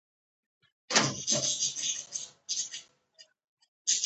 واکمن ډیموکراټ ګوند د دې بدلون ملګری شو.